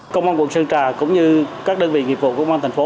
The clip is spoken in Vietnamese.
công an quận sơn trà cũng như các đơn vị nghiệp vụ của công an thành phố